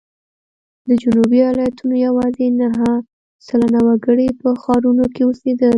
د جنوبي ایالتونو یوازې نهه سلنه وګړي په ښارونو کې اوسېدل.